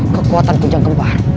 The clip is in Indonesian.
kekuatan kujang kembar